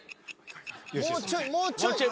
［もうちょいもうちょい］